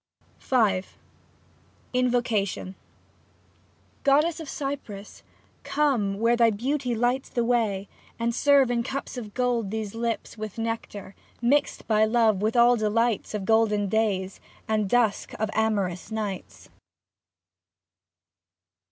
24 V INVOCATION Goddess of Cyprus come (where beauty lights The way) and serve in cups of gold these lips With nectar, mixed by love with all delights Of golden days, and dusk of amorous nights.